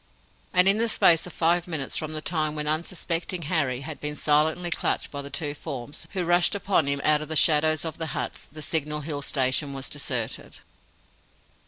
And in the space of five minutes from the time when unsuspecting Harry had been silently clutched by two forms, who rushed upon him out of the shadows of the huts, the Signal Hill Station was deserted.